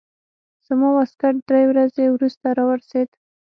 زما واسکټ درې ورځې وروسته راورسېد.